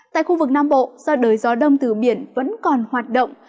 tại khu vực nam bộ do đời gió đông từ biển vẫn còn hoạt động